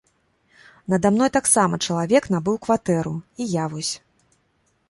Нада мной таксама чалавек набыў кватэру, і я вось.